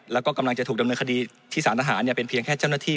แล้วก็กำลังจะถูกดำเนินคดีที่สารทหารเป็นเพียงแค่เจ้าหน้าที่